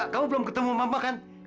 kamu belum ketemu mama kan